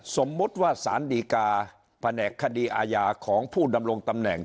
สมมุติว่าสารดีกาแผนกคดีอาญาของผู้ดำรงตำแหน่ง